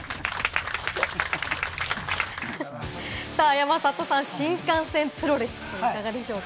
山里さん、新幹線プロレス、いかがでしょうか？